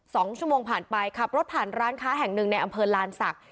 สองชั่วโมงผ่านไปขับรถผ่านร้านค้าแห่งหนึ่งในอำเภอลานศักดิ